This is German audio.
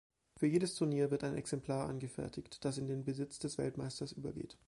Für jedes Turnier wird ein Exemplar angefertigt, das in den Besitz des Weltmeisters übergeht.